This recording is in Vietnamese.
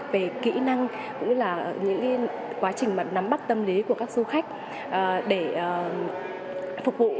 về kỹ năng cũng như là những quá trình nắm bắt tâm lý của các du khách để phục vụ